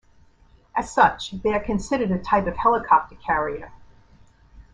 As such, they are considered a type of helicopter carrier.